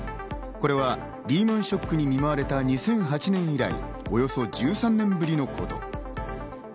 これはリーマンショックに見舞われた２００８年以来、およそ１３年ぶりのこと。